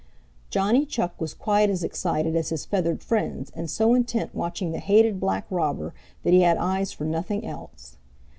Johnny Chuck was quite as excited as his feathered friends, and so intent watching the hated black robber that he had eyes for nothing else.